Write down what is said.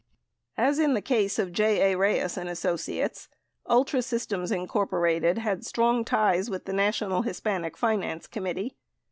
386 As in the case of J. A. Reyes & Associates, Ultra Systems, Inc., had strong ties with the National Hispanic Finance Committee.